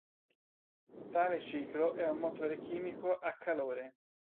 Tale ciclo è un motore chimico a calore.